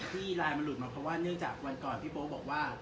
เพราะว่าเนื่องจากวันก่อนที่โป๊บอกว่า